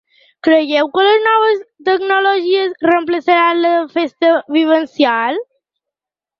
Creieu que les noves tecnologies reemplaçaran la festa vivencial?